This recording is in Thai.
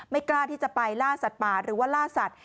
กล้าที่จะไปล่าสัตว์ป่าหรือว่าล่าสัตว